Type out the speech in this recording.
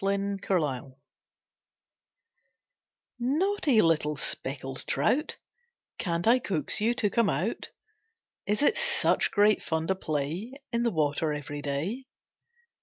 The Trout Naughty little speckled trout, Can't I coax you to come out? Is it such great fun to play In the water every day?